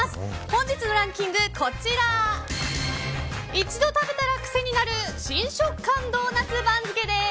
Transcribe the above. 本日のランキングは一度食べたら癖になる“新食感”ドーナツ番付です。